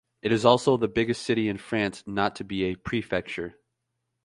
It is also the biggest city of France not to be a prefecture.